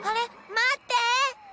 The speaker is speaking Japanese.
まって！